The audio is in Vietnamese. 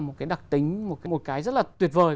một cái đặc tính một cái rất là tuyệt vời